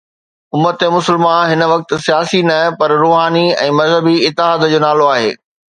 امت مسلمه هن وقت سياسي نه پر روحاني ۽ مذهبي اتحاد جو نالو آهي.